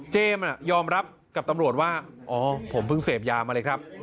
ยอมรับกับตำรวจว่าอ๋อผมเพิ่งเสพยามาเลยครับ